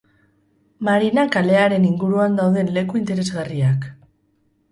Marina kalearen inguruan dauden leku interesgarriak.